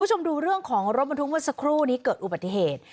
คุณผู้ชมดูเรื่องของรถบรรทุกเมื่อสักครู่นี้เกิดอุบัติเหตุ